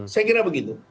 saya kira begitu